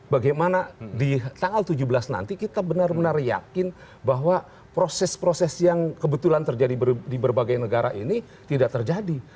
bagaimana di tanggal tujuh belas nanti kita benar benar yakin bahwa proses proses yang kebetulan terjadi di berbagai negara ini tidak terjadi